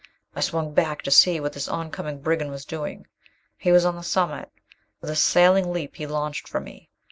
I swung back to see what this oncoming brigand was doing. He was on the summit: with a sailing leap he launched for me.